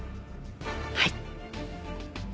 はい。